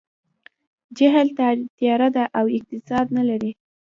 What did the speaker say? جهل تیاره ده او اقتصاد نه لري.